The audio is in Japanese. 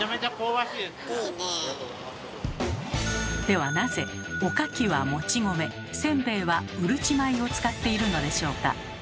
ではなぜおかきはもち米せんべいはうるち米を使っているのでしょうか？